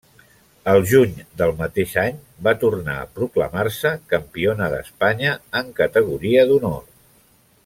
Al juny del mateix any va tornar a proclamar-se campiona d'Espanya en categoria d'honor.